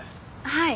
はい。